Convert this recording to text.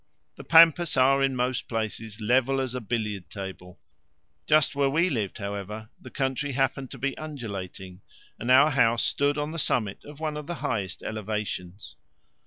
The pampas are, in most places, level as a billiard table; just where we lived, however, the country happened to be undulating, and our house stood on the summit of one of the highest elevations.